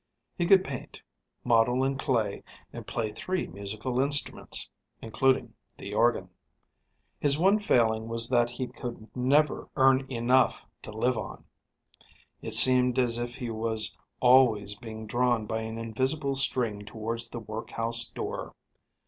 He could paint, model in clay, and play three musical instruments, including the organ. His one failing was that he could never earn enough to live on. It seemed as if he was always being drawn by an invisible string towards the workhouse door.